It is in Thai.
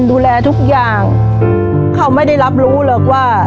ดูแลทุกอย่างเขาไม่ได้รับรู้หรอกว่า